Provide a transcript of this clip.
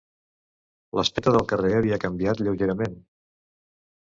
L'aspecte del carrer havia canviat lleugerament.